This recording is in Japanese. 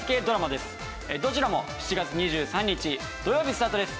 どちらも７月２３日土曜日スタートです。